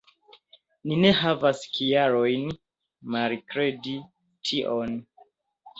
Ni ne havas kialojn malkredi tion.